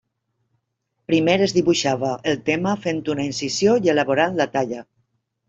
Primer es dibuixava el tema fent una incisió i elaborant la talla.